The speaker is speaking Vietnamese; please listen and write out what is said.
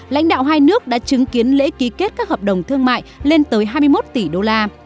lãnh đạo hai nước đã chứng kiến lễ ký kết các hợp đồng thương mại lên tới hai mươi một tỷ đô la